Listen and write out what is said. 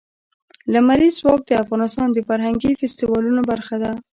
لمریز ځواک د افغانستان د فرهنګي فستیوالونو برخه ده.